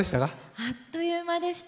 あっという間でした。